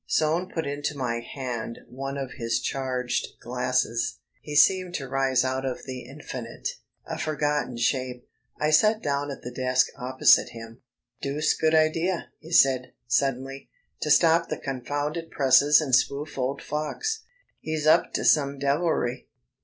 Soane put into my hand one of his charged glasses. He seemed to rise out of the infinite, a forgotten shape. I sat down at the desk opposite him. "Deuced good idea," he said, suddenly, "to stop the confounded presses and spoof old Fox. He's up to some devilry.